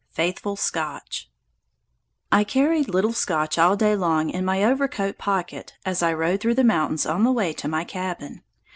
Faithful Scotch I carried little Scotch all day long in my overcoat pocket as I rode through the mountains on the way to my cabin.